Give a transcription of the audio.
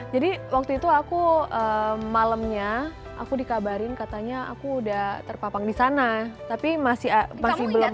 jadi waktu itu aku malemnya aku dikabarin katanya aku udah terpapang disana tapi masih belum